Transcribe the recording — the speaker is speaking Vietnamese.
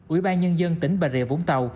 ủy ban nhân dân tỉnh bà rịa vũng tàu